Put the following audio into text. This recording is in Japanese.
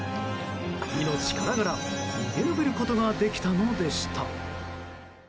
命からがら逃げ延びることができたのでした。